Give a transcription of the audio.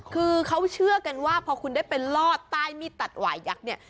คือเขาเชื่อกันว่าพอคุณได้ไปลอดใต้มีดตัดหวายยักษ์เนี่ย